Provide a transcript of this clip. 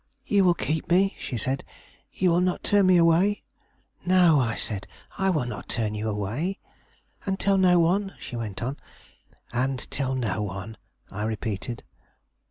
'You will keep me,' she said; 'you will not turn me away?' 'No,' I said, 'I will not turn you away.' 'And tell no one?' she went on. 'And tell no one,' I repeated.